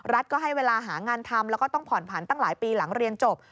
ก็ให้เวลาหางานทำแล้วก็ต้องผ่อนผันตั้งหลายปีหลังเรียนจบ